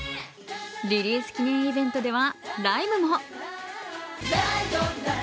リリース記念イベントではライブも。